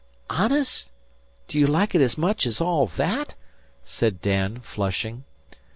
"Honest? D'you like it as much as all that?" said Dan, flushing.